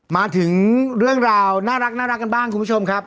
มาถึงเรื่องราวน่ารักกันบ้างคุณผู้ชมครับ